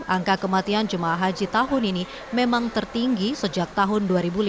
angka kematian jemaah haji tahun ini memang tertinggi sejak tahun dua ribu lima belas